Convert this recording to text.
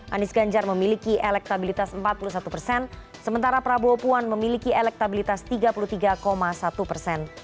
anies ganjar memiliki elektabilitas empat puluh satu persen sementara prabowo puan memiliki elektabilitas tiga puluh tiga satu persen